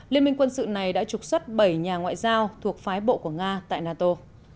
liên minh quân sự này đã trục xuất bảy nhà ngoại giao thuộc phái bộ của nga tại nato